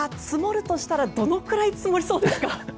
積もるとしたらどれぐらい積もりそうですか？